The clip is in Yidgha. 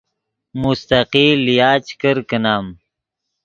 مستقل لیا چے کرکینم